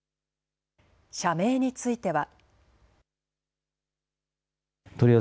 社名については。